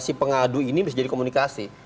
si pengadu ini bisa jadi komunikasi